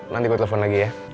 nanti gue telepon lagi ya